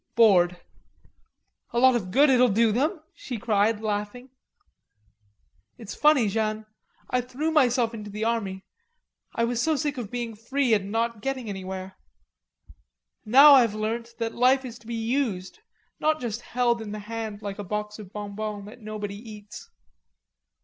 bored." "A lot of good it'll do them," she cried laughing. "It's funny, Jeanne, I threw myself into the army. I was so sick of being free and not getting anywhere. Now I have learnt that life is to be used, not just held in the hand like a box of bonbons that nobody eats."